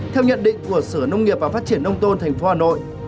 theo nhận định của sở nông nghiệp và phát triển nông tôn thành phố hà nội